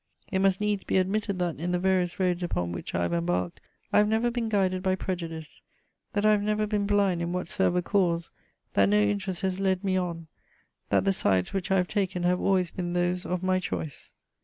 It must needs be admitted that, in the various roads upon which I have embarked, I have never been guided by prejudice, that I have never been blind in whatsoever cause, that no interest has led me on, that the sides which I have taken have always been those of my choice.